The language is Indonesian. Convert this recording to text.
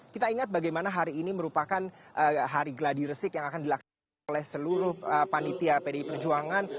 kita ingat bagaimana hari ini merupakan hari gladiresik yang akan dilaksanakan oleh seluruh panitia pdi perjuangan